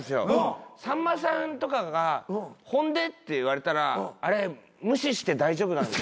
さんまさんとかが「ほんで？」って言われたらあれ無視して大丈夫なんで。